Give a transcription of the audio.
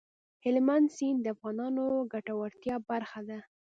هلمند سیند د افغانانو د ګټورتیا برخه ده.